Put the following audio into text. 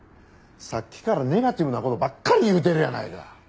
さっきからネガティブな事ばっかり言うてるやないか。